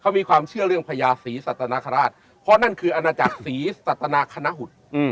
มีความเชื่อเรื่องพญาศรีสัตนคราชเพราะนั่นคืออาณาจักรศรีสัตนาคณะหุด